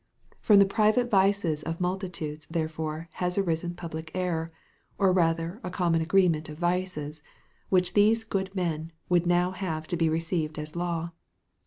From the private vices of multitudes, therefore, has arisen public error, or rather a common agreement of vices, which these good men would now have to be received as law.